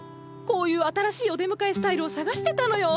こういう新しいお出迎えスタイルを探してたのよ！